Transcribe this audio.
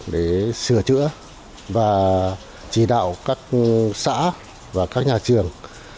để sửa chữa và chỉ đạo các xã và các nhà trường